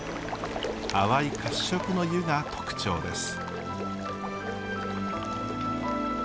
淡い褐色の湯が特徴です。